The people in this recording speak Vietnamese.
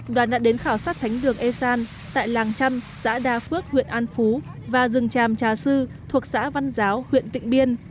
đoàn đã đến khảo sát thánh đường eusan tại làng trăm xã đa phước huyện an phú và rừng tràm trà sư thuộc xã văn giáo huyện tịnh biên